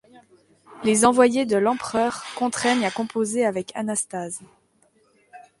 Les envoyés de l'empereur contraignent à composer avec Anastase.